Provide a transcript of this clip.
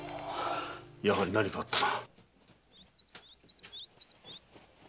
やはり何かあったな。